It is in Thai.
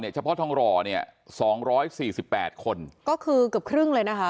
เฉพาะทองหล่อเนี่ย๒๔๘คนก็คือเกือบครึ่งเลยนะคะ